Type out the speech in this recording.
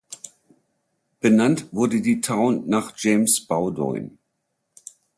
Benannt wurde die Town nach James Bowdoin.